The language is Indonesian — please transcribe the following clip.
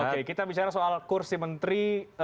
oke kita bicara soal kursi menteri